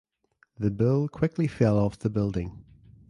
The bill quickly fell off the building.